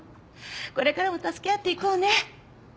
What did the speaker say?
これからも助け合っていこうね。